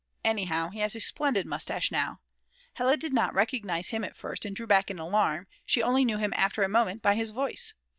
Anyhow he has a splendid moustache now. Hella did not recognise him at first and drew back in alarm, she only knew him after a moment by his voice.